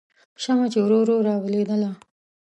شمعه چې ورو ورو راویلېدله